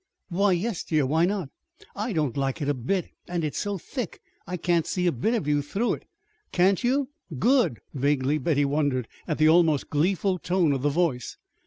"Why, yes, dear. Why not?" "I don't like it a bit. And it's so thick! I can't see a bit of you through it." "Can't you? Good!" (Vaguely Betty wondered at the almost gleeful tone of the voice.)